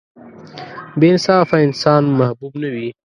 • بې انصافه انسان محبوب نه وي.